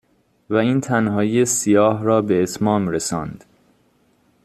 و این تنهایی سیاه را به اتمام رساند.